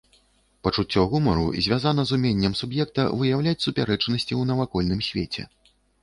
Пачуццё гумару звязана з уменнем суб'екта выяўляць супярэчнасці ў навакольным свеце.